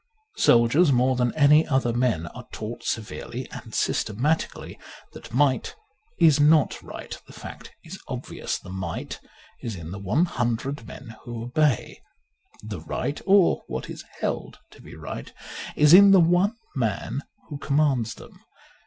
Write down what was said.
Soldiers more than any other men are taught severely and systemati cally that might is not right. The fact is obvious : the might is in the hundred men who obey. The right (or what is held to be right) is in the one man who commands them.